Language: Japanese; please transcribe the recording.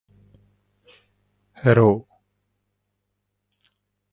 Hello